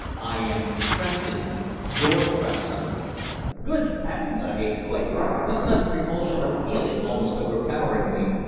I am Preston George Preston." "Good heavens!" I exclaimed, the sudden revulsion of feeling almost overpowering me.